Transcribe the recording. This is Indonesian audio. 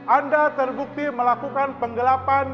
anda terbukti melakukan penggelapan